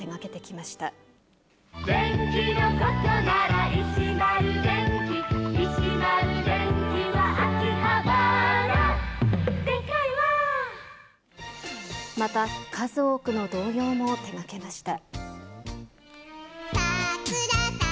また、数多くの童謡も手がけました。